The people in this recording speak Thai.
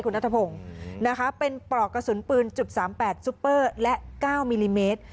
คุณนัทพงศ์นะคะเป็นปลอกกระสุนปืน๓๘ซุปเปอร์และ๙มิลลิเมตร